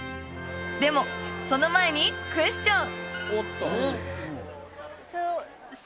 でもその前にクエスチョン！